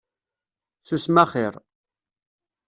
Susem axir!